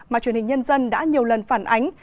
mà truyền hình nhân dân đã nhiều lần phản ánh